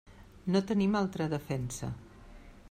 No tenim altra defensa.